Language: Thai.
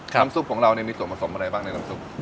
น้ำซุปของเราเนี่ยมีส่วนผสมอะไรบ้างในน้ำซุป